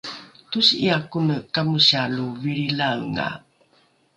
tosi’ia kone kamosia lo vilrilaenga